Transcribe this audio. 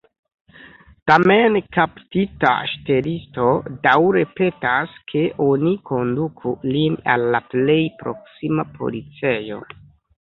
Tamen kaptita ŝtelisto daŭre petas, ke oni konduku lin al la plej proksima policejo.